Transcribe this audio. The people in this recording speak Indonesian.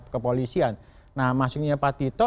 kepolisian nah maksudnya pak tito